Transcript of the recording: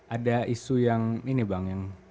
ada isu yang ini bang yang